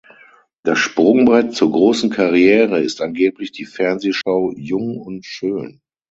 Das Sprungbrett zur großen Karriere ist angeblich die Fernsehshow „Jung und schön“.